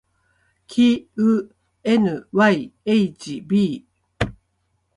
きう ｎｙｈｂ